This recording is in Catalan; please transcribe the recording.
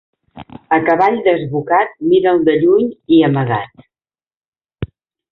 A cavall desbocat, mira'l de lluny i amagat.